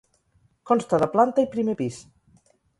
Consta de planta i primer pis.